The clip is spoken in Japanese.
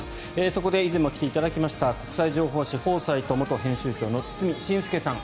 そこで以前も来ていただきました国際情報誌「フォーサイト」元編集長の堤伸輔さん